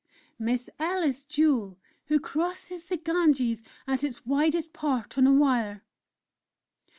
"Miss Alice Jewel, who crosses the Ganges at its widest part on a Wire!"...